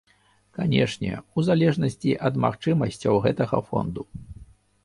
Канешне, у залежнасці ад магчымасцяў гэтага фонду.